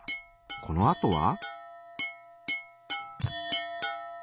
このあとは？